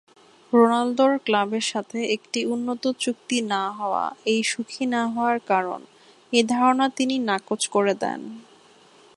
রোনালদোর ক্লাবের সাথে একটি উন্নত চুক্তি না হওয়া এই সুখী না হওয়ার কারণ, এই ধারণা তিনি নাকচ করে দেন।